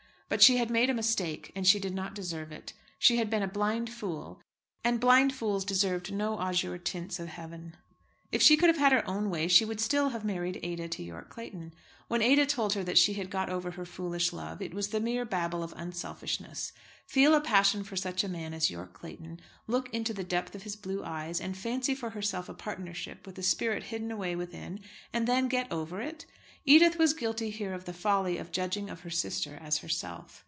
But she had made a mistake, and she did not deserve it. She had been a blind fool, and blind fools deserved no azure tints of heaven. If she could have had her own way she would still have married Ada to Yorke Clayton. When Ada told her that she had got over her foolish love, it was the mere babble of unselfishness. Feel a passion for such a man as Yorke Clayton, look into the depth of his blue eyes, and fancy for herself a partnership with the spirit hidden away within, and then get over it! Edith was guilty here of the folly of judging of her sister as herself.